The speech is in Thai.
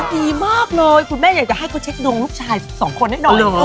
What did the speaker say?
ดีมากเลยคุณแม่อยากให้เขาเช็คน้องลูกชายสองคนนิดหน่อย